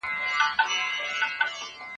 زما پلار رسول الله ته ورغلی او هغه ته ئې وويل.